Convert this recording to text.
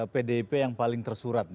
pdip yang paling tersurat